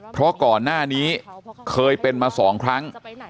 เพราะก่อนหน้านี้เคยเป็นมา๒ครั้ง